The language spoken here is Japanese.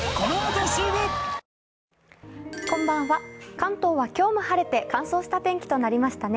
関東は今日も晴れて乾燥した天気となりましたね。